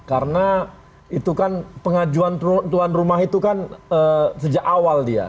karena itu kan pengajuan tuan rumah itu kan sejak awal dia